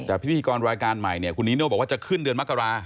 แต่พิธีกรรายการใหม่เนี่ยคุณนีโน่บอกว่าจะขึ้นเดือนมกรา